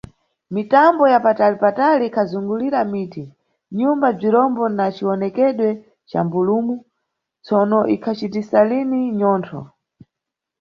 Mitambo ya patali-patali ikhazungulira miti, nyumba bzirombo na ciwonekedwe ca bhulumu, tsono ikhacitisa lini mnyontho.